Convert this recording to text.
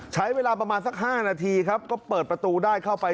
ใช้เวลาประมาณสัก๕นาทีครับก็เปิดประตูได้เข้าไป